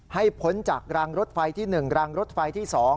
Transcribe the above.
พ้นจากรางรถไฟที่๑รางรถไฟที่๒